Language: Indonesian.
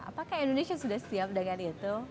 apakah indonesia sudah siap dengan itu